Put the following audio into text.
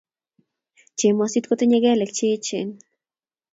Chemosit kotinyei kelek che eechen